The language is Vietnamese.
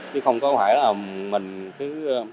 chứ không có hoài là mình cứ